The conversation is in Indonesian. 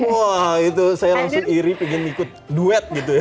wah itu saya langsung iri pengen ikut duet gitu ya